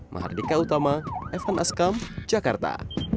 mahardika utama evan askam jakarta